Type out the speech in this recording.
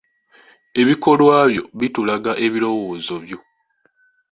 Ebikolwa byo bitulaga ebirowoozo byo.